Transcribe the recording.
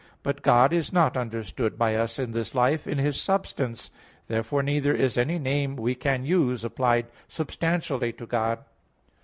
But God is not understood by us in this life in His substance. Therefore neither is any name we can use applied substantially to God.